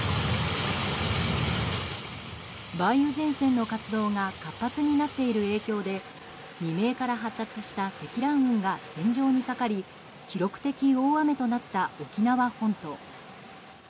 梅雨前線の活動が活発になっている影響で未明から発達した積乱雲が線状にかかり記録的大雨となった沖縄本島。